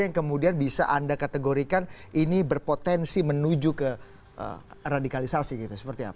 yang kemudian bisa anda kategorikan ini berpotensi menuju ke radikalisasi gitu seperti apa